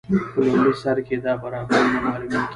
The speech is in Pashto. په لومړي سر کې دا برابري نه معلومیږي.